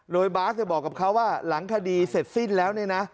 โดยบาสบอกกับเขาว่าหลังคดีเสร็จสิ้นแล้วเนี่ยนะ